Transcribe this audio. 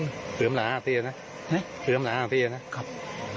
เตื้อมหลาวดีละนะใช่เป็นหมอนักคนลบไหร่